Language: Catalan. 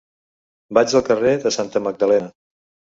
Vaig al carrer de Santa Magdalena.